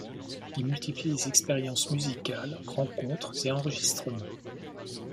Il multiplie les expériences musicales, rencontres et enregistrements.